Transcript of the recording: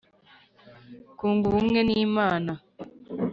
Kunga ubumwe n imana